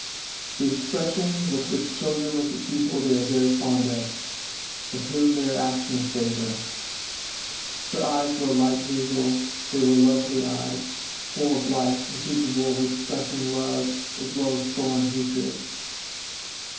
The expression with which children look at people they are very fond of, of whom they are asking a favour. Her eyes were a light hazel, they were lovely eyes, full of life, and capable of expressing love as well as sullen hatred.